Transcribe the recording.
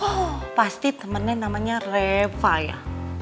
oh pasti temennya namanya reva ya